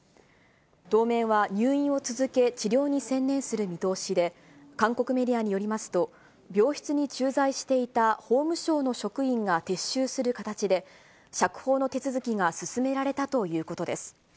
当面は入院を続け、治療に専念する見通しで、韓国メディアによりますと、病室に駐在していた法務省の職員が撤収する形で、釈放の手続きが進められたということです。